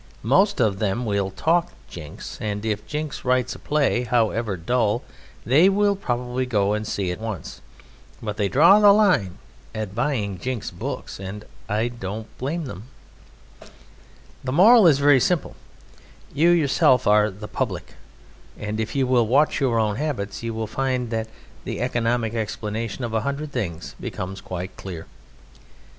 Most of them will talk Jinks, and if Jinks writes a play, however dull, they will probably go and see it once; but they draw the line at buying Jinks's books and I don't blame them. The moral is very simple. You yourselves are "The Public," and if you will watch your own habits you will find that the economic explanation of a hundred things becomes quite clear.